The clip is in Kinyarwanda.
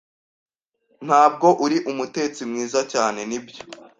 Ntabwo uri umutetsi mwiza cyane, nibyo?